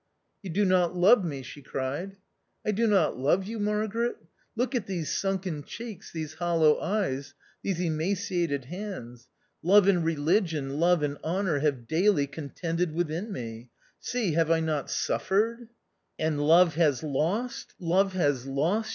" You do not love me," she cried. " I do not love you, Margaret ! Look at these sunken cheeks, these hollow eyes, these emaciated hands. Love and religion, love and honour have daily contended within me ; see, have I not suffered ?'" And love has lost ! love has lost